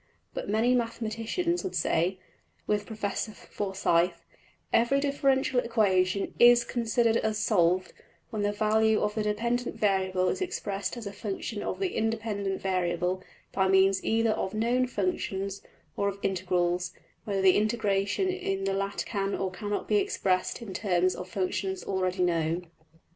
'' But many mathematicians would say, with Professor Forsyth, ``every differential equation \emph{is considered as solved} when the value of the dependent variable is expressed as a function of the independent variable by means either of known functions, or of integrals, whether the integrations in the latter can or cannot be expressed in terms of functions already known.''